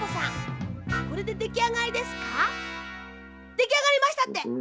できあがりましたって！